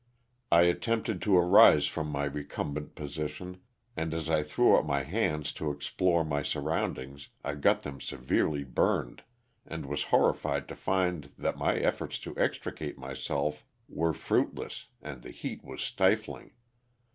I attempted to arise from my recumbent position and as I threw up my hands to explore my surroundings I got them severely burned, and was hor rified to find that my efforts to extricate myself were fruitless and the heat was stifling.